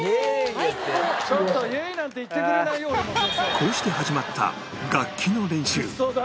こうして始まった楽器の練習